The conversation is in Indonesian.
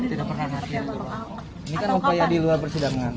ini kan upaya di luar persidangan